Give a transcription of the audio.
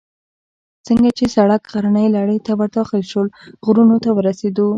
څنګه چې سړک غرنۍ لړۍ ته ور داخل شو، غرونو ته ورسېدو.